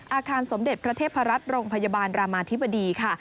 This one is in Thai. อาคารสมเด็จพระเทพรัฐโรงพยาบาลรามาธิบดีค่ะ